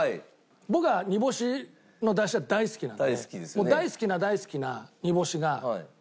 僕は煮干しの出汁は大好きなので大好きな大好きな煮干しがここに入ってると。